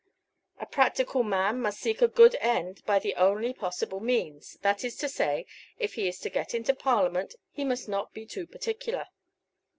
A practical man must seek a good end by the only possible means; that is to say, if he is to get into Parliament he must not be too particular.